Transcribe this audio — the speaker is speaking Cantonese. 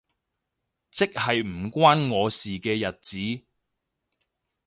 即係唔關我事嘅日子